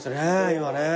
今ね。